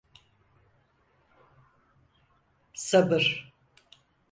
Sabır…